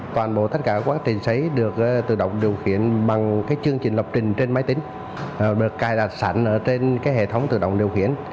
toàn bộ tất cả các quá trình xấy được tự động điều khiển bằng cái chương trình lập trình trên máy tính được cài đặt sẵn ở trên cái hệ thống tự động điều khiển